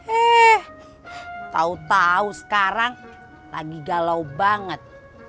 eh tau tau sekarang lagi galau banget